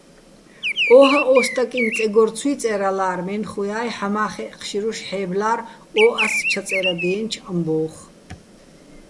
ო́ჰაჸ ო სტაკიჼ წეგორ ცუჲ წე́რალარ, მე́ნუხა́ჲ ჰ̦ამა́ხეჸ ჴშირუშ ჰ̦ე́ბლარ ო ას ჩაწე́რადჲიენჩო̆ ამბო́ხ.